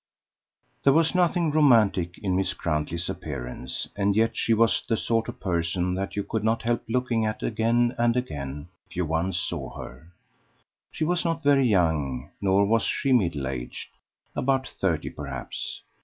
THERE was nothing romantic in Miss Grantley's appearance, and yet she was the sort of person that you could not help looking at again and again if you once saw her. She was not very young, nor was she middle aged about thirty, perhaps.